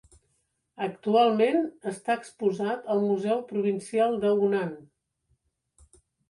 Actualment està exposat al museu provincial de Hunan.